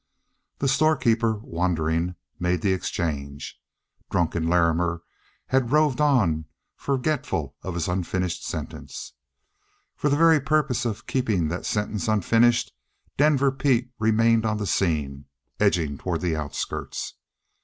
The storekeeper, wondering, made the exchange. Drunken Larrimer had roved on, forgetful of his unfinished sentence. For the very purpose of keeping that sentence unfinished, Denver Pete remained on the scene, edging toward the outskirts.